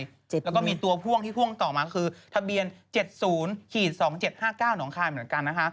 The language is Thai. แล้วก็มีตัวพ่วงที่พ่วงต่อมาคือทะเบียน๗๐๒๗๕๙หนองคายเหมือนกันนะคะ